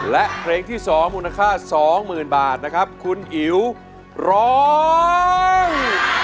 และเพลงที่สองมูลค่าสองหมื่นบาทนะครับคุณอิ๋วร้อง